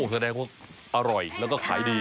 แสดงว่าอร่อยแล้วก็ขายดี